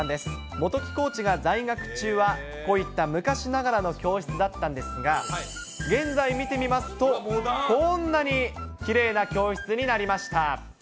元木コーチが在学中は、こういった昔ながらの教室だったんですが、現在見てみますと、こんなにきれいな教室になりました。